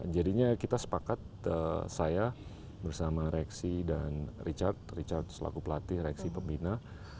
jadinya kita sepakat saya bersama reksi dan richard richard selaku pelatih reksi pembina